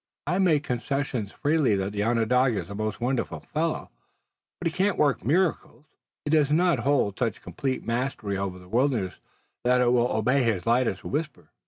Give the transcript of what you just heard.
I make concession freely that the Onondaga is a most wonderful fellow, but he can't work miracles. He does not hold such complete mastery over the wilderness that it will obey his lightest whisper.